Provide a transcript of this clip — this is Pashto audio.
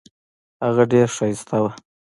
هغه ډیره ښایسته وه.